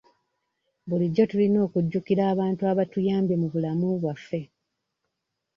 Bulijjo tulina okujjukira abantu abatuyambye mu bulamu bwaffe.